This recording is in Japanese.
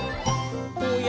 「おや？